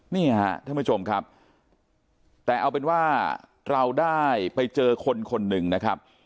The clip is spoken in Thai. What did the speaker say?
นี่ฮะท่านผู้ชมครับแต่เอาเป็นว่าเราได้ไปเจอคนคนหนึ่งนะครับ